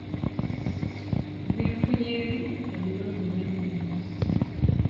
Nzifunyeemu ebirungi bingi nnyo